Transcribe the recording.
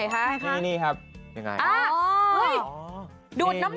หารายดูดน้ำแดงด้วย